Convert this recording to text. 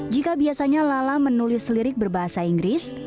jika biasanya lala menulis lirik berbahasa inggris